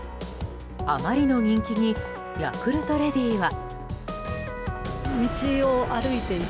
あまりの人気にヤクルトレディは。